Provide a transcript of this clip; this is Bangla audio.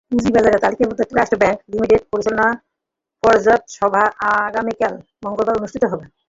পুঁজিবাজারে তালিকাভুক্ত ট্রাস্ট ব্যাংক লিমিটেডের পরিচালনা পর্ষদ সভা আগামীকাল মঙ্গলবার অনুষ্ঠিত হবে।